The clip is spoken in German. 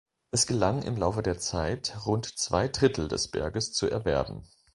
Es gelang im Laufe der Zeit, rund zwei Drittel des Berges zu erwerben.